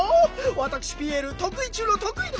わたくしピエールとくい中のとくいで。